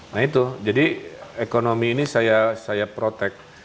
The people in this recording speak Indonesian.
nah itu jadi ekonomi ini saya protect